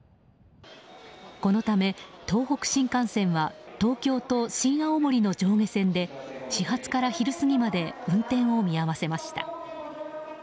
このため東北新幹線は東京と新青森の上下線で始発から昼過ぎまで運転を見合わせました。